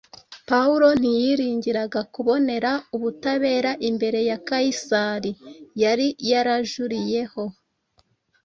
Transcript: Pawulo ntiyiringiraga kubonera ubutabera imbere ya Kayisari yari yarajuriyeho.